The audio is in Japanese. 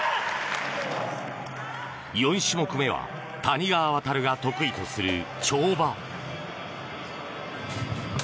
４種目目は谷川航が得意とする跳馬。